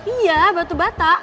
iya batu bata